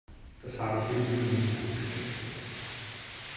Das habe ich irgendwie noch nicht ganz gecheckt.